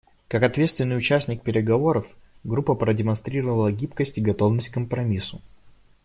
Как ответственный участник переговоров группа продемонстрировала гибкость и готовность к компромиссу.